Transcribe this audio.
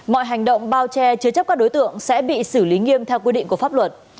mọi hành động bao che chứa chấp các đối tượng sẽ bị xử lý nghiêm theo quy định của pháp luật